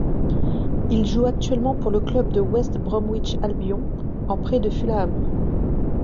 Il joue actuellement pour le club de West Bromwich Albion en prêt de Fulham.